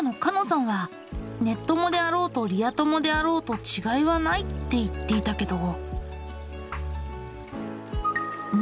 さんはネッ友であろうとリア友であろうと違いはないって言っていたけど。